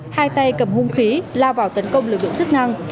hai tay cầm hung khí lao vào tấn công lực lượng chức năng